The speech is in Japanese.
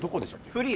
フリー？